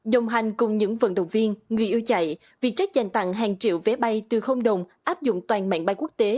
đồng hành cùng những vận động viên người yêu chạy vietjet dành tặng hàng triệu vé bay từ đồng áp dụng toàn mạng bay quốc tế